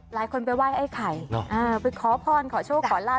หลายคนไปไหว้ไอ้ไข่อ่าไปขอพรขอโชคขอลาด